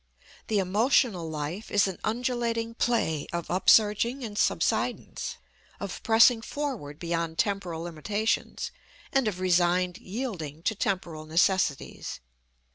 The emotional life is an undulating play of up surging and subsidence, of pressing forward beyond temporal limitations and of resigned yielding to temporal necessities.